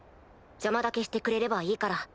邪魔だけしてくれればいいから。